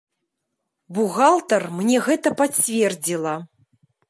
Бухгалтар мне гэта пацвердзіла.